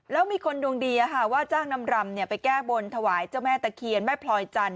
แล้วมีคนดวงดีว่าจ้างนำรำไปแก้บนถวายเจ้าแม่ตะเคียนแม่พลอยจันท